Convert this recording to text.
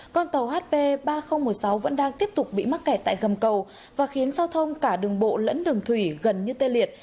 con tàu hp ba nghìn một mươi sáu vẫn đang tiếp tục bị mắc kẹt tại gầm cầu và khiến giao thông cả đường bộ lẫn đường thủy gần như tê liệt